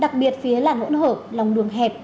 đặc biệt phía làn hỗn hợp lòng đường hẹp